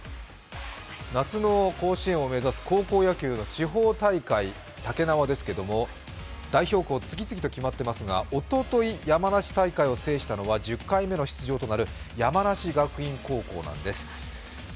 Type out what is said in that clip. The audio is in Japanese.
夏の甲子園を目指す高校野球の地方大会、たけなわですけど、代表校が次々と決まっていますがおととい、山梨大会を制したのは１０回目の出場となる山梨学院高校なんです。